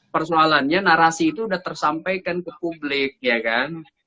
persoalannya narasi itu sudah tersampaikan ke publik ya kan